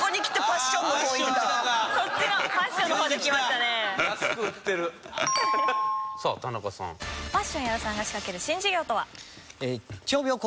パッション屋良さんが仕掛ける新事業とは？